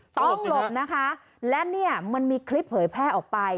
ต้องหลบนะคะและเนี่ยมันมีคลิปเผยแพร่ออกไป